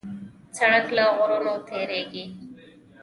سړک له غرونو تېرېږي.